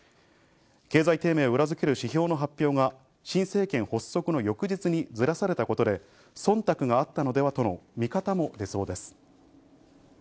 経済低迷を裏付ける指標の発表が新政権発足の翌日にすらされたことで忖度があったのではとの見方も出そうです。